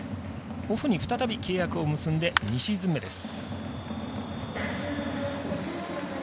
オフに再び契約を結んで２シーズン目です。